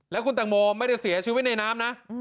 แล้วคุณตังโมไม่ได้เสียชีวิตในน้ำนะ